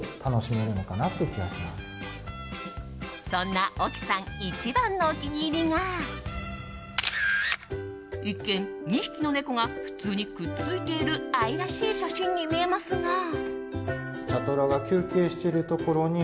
そんな沖さん一番のお気に入りが一見、２匹の猫が普通にくっついている愛らしい写真に見えますが。